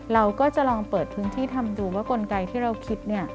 เราก็จะลองเปิดพื้นที่ทำดูว่ากลไกที่เราคิด